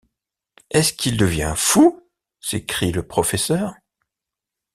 Est-ce qu’il devient fou? s’écrie le professeur.